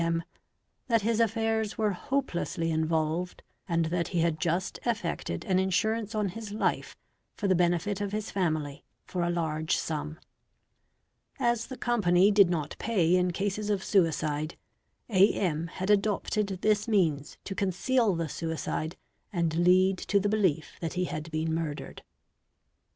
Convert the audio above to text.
M., that his affairs were hopelessly involved, and that he had just effected an insurance on his life for the benefit of his family for a large sum. As the company did not pay in cases of suicide, A. M., had adopted this means to conceal the suicide and lead to the belief that he had been murdered.